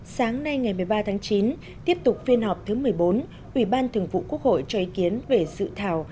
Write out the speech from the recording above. sáng nay ngày một mươi ba tháng chín tiếp tục phiên họp thứ một mươi bốn ủy ban thường vụ quốc hội cho ý kiến về dự thảo